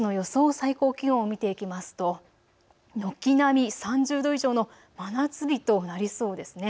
最高気温を見ていきますと軒並み３０度以上の真夏日となりそうですね。